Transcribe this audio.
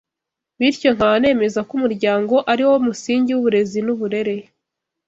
Bityo nkaba nemeza ko umuryango ari wo musingi w’uburezi n’uburere